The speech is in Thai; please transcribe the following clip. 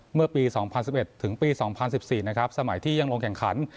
เมื่อปีสองพันสิบเอ็ดถึงปีสองพันสิบสี่นะครับสมัยที่ยังลงแข่งขัน